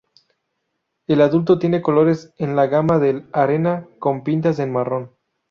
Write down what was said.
El adulto tiene colores en la gama del arena, con pintas en marrón.